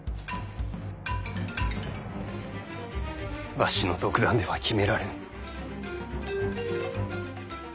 わしの独断では決められぬ。